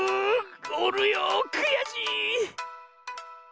おるよくやしい！